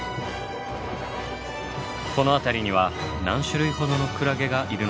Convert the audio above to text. この辺りには何種類ほどのクラゲがいるのでしょうか？